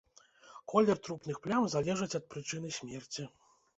Колер трупных плям залежыць ад прычыны смерці.